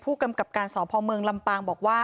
ผู้กำกับการสพเมืองลำปางบอกว่า